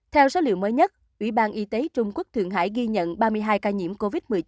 theo số liệu mới nhất ủy ban y tế trung quốc thượng hải ghi nhận ba mươi hai ca nhiễm covid một mươi chín